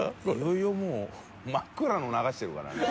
い茲いもう真っ暗の流してるからね。